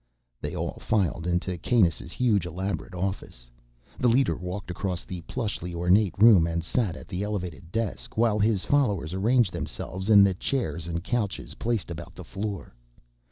They all filed in to Kanus' huge, elaborate office. The leader walked across the plushly ornate room and sat at the elevated desk, while his followers arranged themselves in the chairs and couches placed about the floor.